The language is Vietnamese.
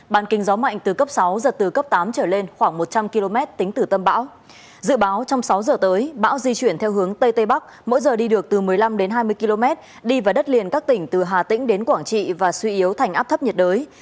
bão di chuyển theo hướng tây tây bắc mỗi giờ đi được từ một mươi năm đến hai mươi km đi vào đất liền các tỉnh từ hà tĩnh đến quảng trị và suy yếu thành áp thấp nhiệt đới